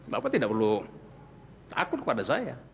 bapak tidak perlu takut kepada saya